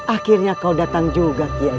akhirnya kau datang juga kian